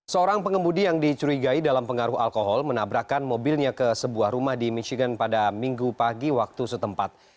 seorang pengemudi yang dicurigai dalam pengaruh alkohol menabrakan mobilnya ke sebuah rumah di michigan pada minggu pagi waktu setempat